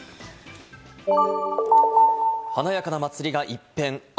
続いては華やかな祭りが一変。